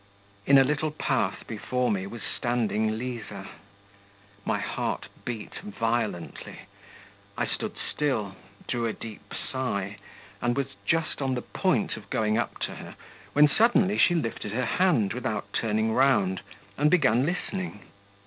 In a little path before me was standing Liza. My heart beat violently. I stood still, drew a deep sigh, and was just on the point of going up to her, when suddenly she lifted her hand without turning round, and began listening....